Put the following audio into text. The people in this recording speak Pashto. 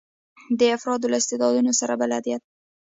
د افرادو له استعدادونو سره بلدیت.